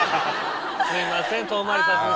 すいません遠回りさせて。